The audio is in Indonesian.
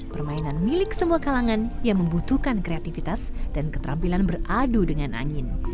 permainan milik semua kalangan yang membutuhkan kreativitas dan keterampilan beradu dengan angin